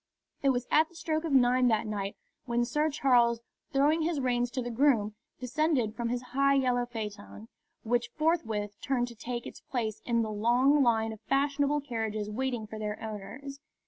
It was at the stroke of nine that night when Sir Charles, throwing his reins to the groom, descended from his high yellow phaeton, which forthwith turned to take its place in the long line of fashionable carriages waiting for their owners.